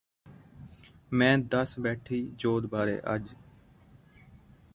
ਮੈਂ ਦੱਸ ਬੈਠੀ ਜੋਧ ਬਾਰੇ ਅੱਜ